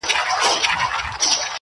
چي په ژوند یې ارمان وخېژي نو مړه سي-